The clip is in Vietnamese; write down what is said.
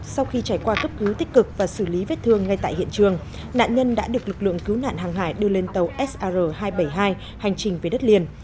sau khi trải qua cấp cứu tích cực và xử lý vết thương ngay tại hiện trường nạn nhân đã được lực lượng cứu nạn hàng hải đưa lên tàu sr hai trăm bảy mươi hai hành trình về đất liền